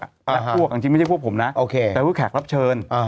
และพวกจริงไม่ใช่พวกผมนะโอเคแต่พวกแขกรับเชิญ